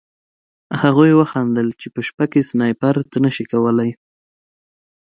هغوی وخندل چې په شپه کې سنایپر څه نه شي کولی